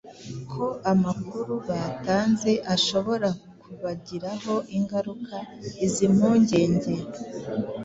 ko amakuru batanze ashobora kubagiraho ingaruka. Izi mpungenge